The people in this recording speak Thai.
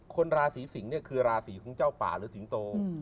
คนราศีสิงศ์เนี่ยคือราศีของเจ้าป่าหรือสิงโต